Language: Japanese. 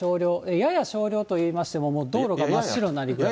やや少量といいましても、もう道路が真っ白になる。